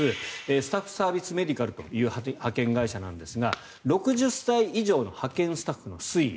スタッフサービス・メディカルという派遣会社なんですが６０歳以上の派遣スタッフの推移